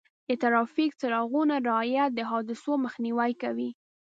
د ټرافیک څراغونو رعایت د حادثو مخنیوی کوي.